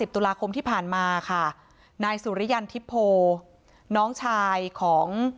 ตุลาคมที่ผ่านมาค่ะนายสุริยันทิพโพน้องชายของ